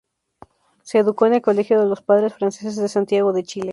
Se educó en el Colegio de los Padres Franceses de Santiago de Chile.